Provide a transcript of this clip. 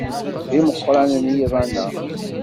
D imeqranen yiḍan-a.